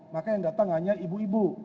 maka yang datang hanya ibu ibu